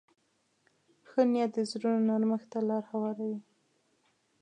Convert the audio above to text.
ښه نیت د زړونو نرمښت ته لار هواروي.